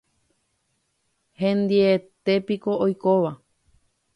Hendyetépiko oikóva.